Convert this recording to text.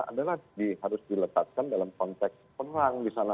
adalah harus diletakkan dalam konteks perang di sana